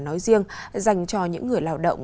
nói riêng dành cho những người lao động